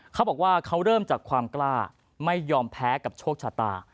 เขาบอกว่าเขาเริ่มจากความกล้าไม่ยอมแพ้กับโชคชะตา